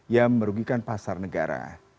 yang merugikan pasar negara